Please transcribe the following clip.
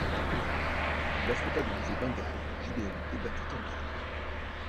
Il affronta de nouveau Bengale, Gidéon et battit Tantrum.